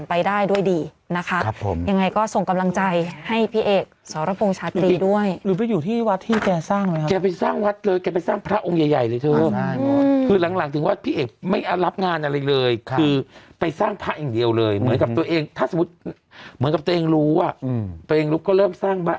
พิมแม่งเหมือนแบบว่าถูกไหว